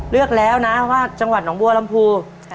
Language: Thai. เลือกแล้วนะว่าจังหวัดหนองบัวลำพู